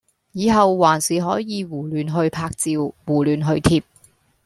以後還是可以胡亂去拍照，胡亂去貼！